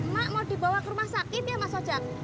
mak mau dibawa ke rumah sakit ya mas oca